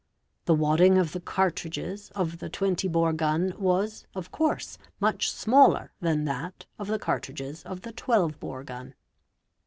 Th wadding of the cartridges of the 20 bore gun was, of course, muc. smaller than that of the cartridges of the 12 bore gun.